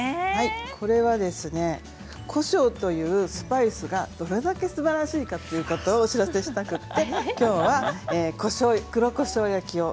これは、こしょうというスパイスがどれだけすばらしいかということをお知らせしたくてきょうは黒こしょう焼きを。